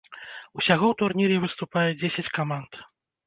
Усяго ў турніры выступае дзесяць каманд.